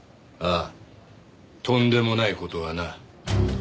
ああとんでもない事がな。